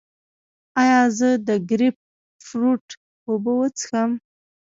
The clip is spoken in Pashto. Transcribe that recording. ایا زه د ګریپ فروټ اوبه وڅښم؟